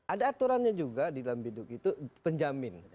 ada aturannya juga di dalam biduk itu penjamin